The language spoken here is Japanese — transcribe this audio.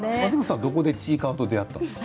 どこでちいかわと出会ったんですか？